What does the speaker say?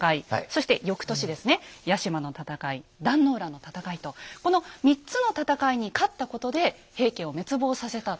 そして翌年ですね屋島の戦い壇の浦の戦いとこの３つの戦いに勝ったことで平家を滅亡させた。